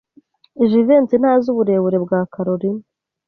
Jivency ntazi uburebure bwa Kalorina.